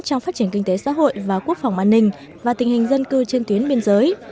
trong phát triển kinh tế xã hội và quốc phòng an ninh và tình hình dân cư trên tuyến biên giới